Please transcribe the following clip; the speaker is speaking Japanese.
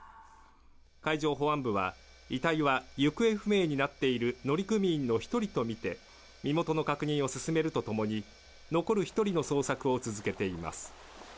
海上保安部は遺体は行方不明になっている乗組員の１人とみて、身元の確認を進めると共に、残る１人の捜索を続けています。